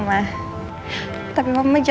supaya kita bisa pergi berdua aja